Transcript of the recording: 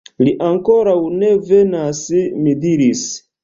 Li ankoraŭ ne venas, mi diris.